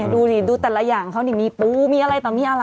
ดูดิดูแต่ละอย่างเขานี่มีปูมีอะไรต่อมีอะไร